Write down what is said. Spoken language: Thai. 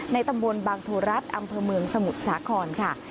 ในตำรวจบางทวรัฐอำเภอเมืองสมุทรชาครค่ะ